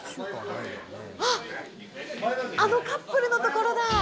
あのカップルのところだ。